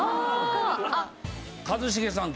一茂さん